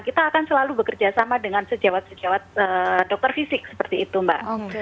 kita akan selalu bekerja sama dengan sejawat sejawat dokter fisik seperti itu mbak